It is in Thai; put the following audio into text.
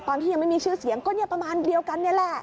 ตอนที่ยังไม่มีชื่อเสียงก็เนี่ยประมาณเดียวกันนี่แหละ